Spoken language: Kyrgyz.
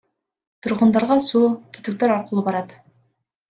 Тургундарга суу түтүктөр аркылуу барат.